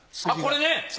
あこれね！